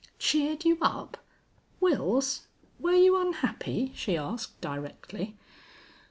"Cheered you up! Wils, were you unhappy?" she asked, directly.